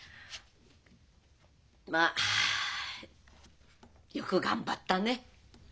まあよく頑張ったね。